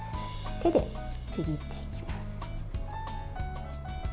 手でちぎっていきます。